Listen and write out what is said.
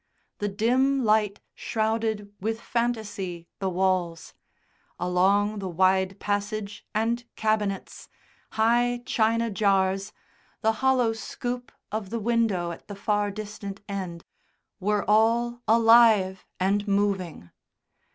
The dim light shrouded with fantasy the walls; along the wide passage and cabinets, high china jars, the hollow scoop of the window at the far distant end, were all alive and moving.